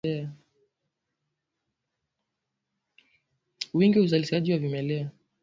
Wingi wa uzalishaji wa vimelea